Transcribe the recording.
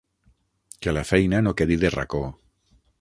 Que la feina no quedi de racó.